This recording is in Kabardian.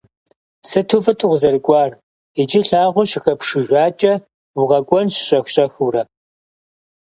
Сыту фӏыт укъызэрыкӏуар. Иджы лъагъуэ щыхэпшыжакӏэ, укъэкӏуэнщ щӏэх-щӏэхыурэ.